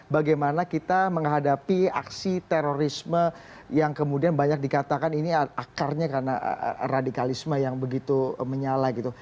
bagaimana kita menghadapi aksi terorisme yang kemudian banyak dikatakan ini akarnya karena radikalisme yang begitu menyala gitu